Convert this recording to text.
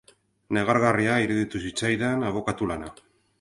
Negargarria iruditu zitzaidan abokatu lana.